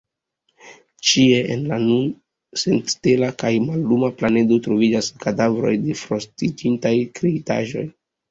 Ĉie en la nun senstela kaj malluma planedo troviĝas kadavroj de frostiĝintaj kreitaĵoj.